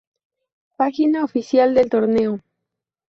Página oficial del torneo